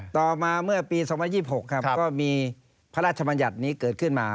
ต่อมาเมื่อปี๒๐๒๖ครับก็มีพระราชบัญญัตินี้เกิดขึ้นมา